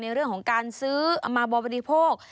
ในเรื่องของการซื้อเอามาบริโภค